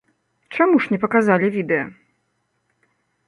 Чаму ж не паказалі відэа?